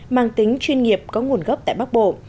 mang tính chuyên nghiệp có nguồn gốc tại bắc bộ